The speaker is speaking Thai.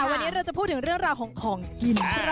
วันนี้เราจะพูดถึงเรื่องราวของของกิน